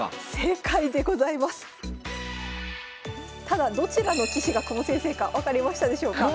ただどちらの棋士が久保先生か分かりましたでしょうか？